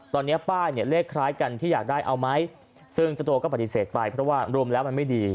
ตอนนี้ป้ายเนี่ยเลขคล้ายกันที่อยากได้เอาไหมซึ่งเจ้าตัวก็ปฏิเสธไปเพราะว่ารวมแล้วมันไม่ดี